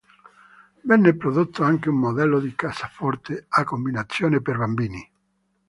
Venne prodotto anche un modello di cassaforte a combinazione per bambini.